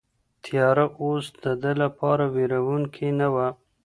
تیاره اوس د ده لپاره وېروونکې نه وه.